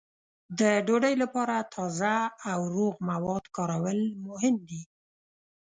د ډوډۍ لپاره تازه او روغ مواد کارول مهم دي.